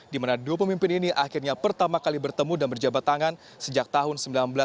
di mana dua pemimpin ini akhirnya pertama kali bertemu dan berjabat tangan sejak tahun seribu sembilan ratus sembilan puluh